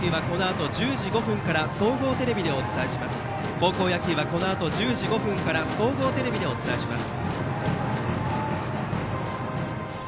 高校野球はこのあと１０時５分から総合テレビでお伝えします。